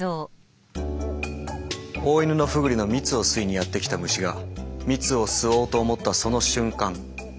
オオイヌノフグリの蜜を吸いにやって来た虫が蜜を吸おうと思ったその瞬間グラリと揺れてしまいました。